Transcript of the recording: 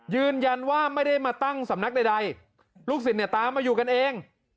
ยืนยันว่าไม่ได้มาตั้งสำนักใดลูกศิษย์เนี่ยตามมาอยู่กันเอง